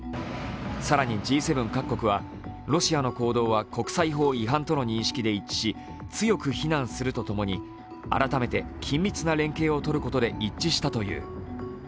更にＧ７各国はロシアの行動は国際法違反との認識で一致し、強く非難するとともに改めて緊密な連携をとることで一致したという。